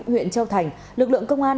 huyện châu thành lực lượng công an